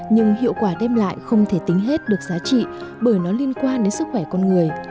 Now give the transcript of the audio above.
nhưng hiệu quả đem lại không thể tính hết được giá trị bởi nó liên quan đến sức khỏe con người